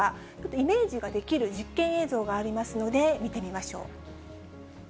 イメージができる実験映像がありますので、見てみましょう。